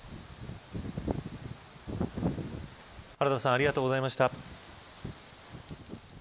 原田さんありがとうございました。